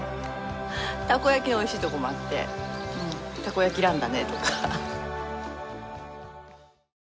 たこ焼きがおいしいところもあってたこ焼きランだねとか。